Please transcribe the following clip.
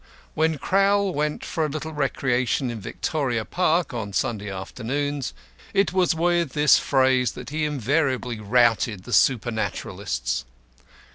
When Crowl went for a little recreation in Victoria Park on Sunday afternoons, it was with this phrase that he invariably routed the supernaturalists.